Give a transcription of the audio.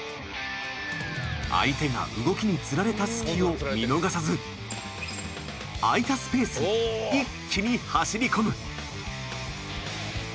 相手が動きにつられた隙を見逃さず空いたスペースに一気に走り込む。